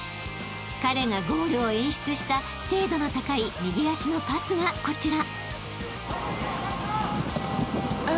［彼がゴールを演出した精度の高い右足のパスがこちら］